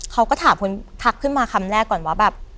เขาก็ถามคุณทักขึ้นมาคำแรกก่อนว่าแบบ